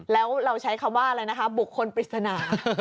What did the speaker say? แล้วเราใช้คำว่าอะไรนะคะบุคคลปริศนา